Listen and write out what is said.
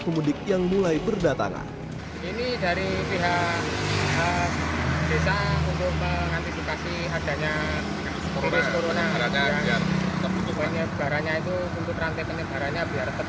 pendidik yang mulai berdatangan ini dari pihak desa untuk mengantisipasi adanya